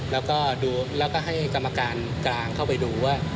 แล้วก็ให้กรรมการกลางเข้าไปดูว่า